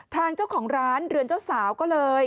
ทางเจ้าของร้านเรือนเจ้าสาวก็เลย